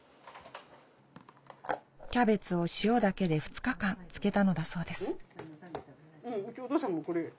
キャベツを塩だけで２日間漬けたのだそうです